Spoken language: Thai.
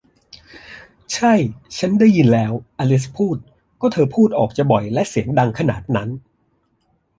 ใช่ ชั้นได้ยินแล้ว อลิซพูด ก็เธอพูดออกจะบ่อยและเสียงดังขนาดนั้น